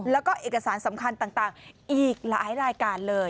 แล้วก็เอกสารสำคัญต่างอีกหลายรายการเลย